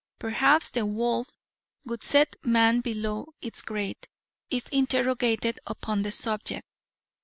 Perhaps the wolf would set man below its grade, if interrogated upon the subject.